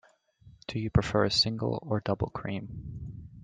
Do you prefer single or double cream?